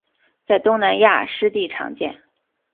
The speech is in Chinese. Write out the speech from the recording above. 在东南亚湿地常见。